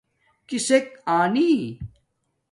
کِسݵک آنݵ؟